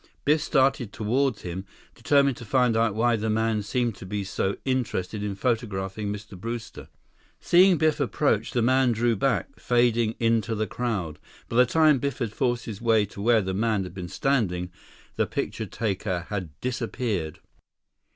Biff started toward him, determined to find out why the man seemed to be so interested in photographing Mr. Brewster. Seeing Biff approach, the man drew back, fading into the crowd. By the time Biff had forced his way to where the man had been standing, the picture taker had disappeared.